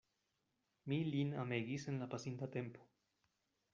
Mi lin amegis en la pasinta tempo.